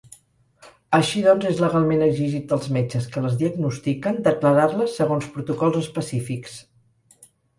Així doncs és legalment exigit als metges que les diagnostiquen declarar-les segons protocols específics.